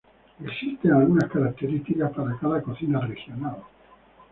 Existen algunas características para cada cocina regional.